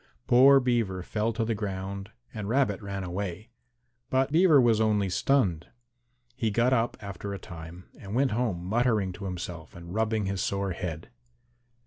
Poor Beaver fell to the ground and Rabbit ran away. But Beaver was only stunned. He got up after a time and went home muttering to himself and rubbing his sore head.